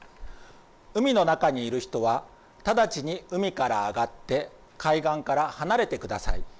海の中にいる人は直ちに海から上がって海岸から離れてください。